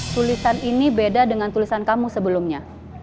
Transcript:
tulisan ini beda dengan tulisan kamu sebelumnya